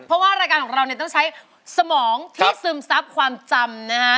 เพราะว่ารายการของเราเนี่ยต้องใช้สมองที่ซึมซับความจำนะฮะ